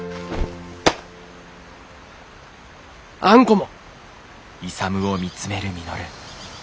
あんこも。